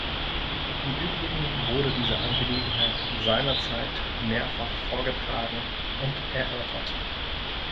Im übrigen wurde diese Angelegenheit seinerzeit mehrfach vorgetragen und erörtert.